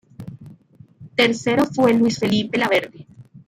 Tercero fue Luis Felipe Laverde.